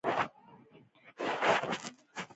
د ادې تر چپې سترگې لاندې شنه ليکه تاوه وه.